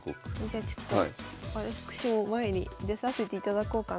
じゃあちょっと私も前に出させていただこうかな。